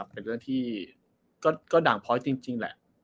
เป็นเรื่องที่ก็ด่างพ้อยจริงแหละ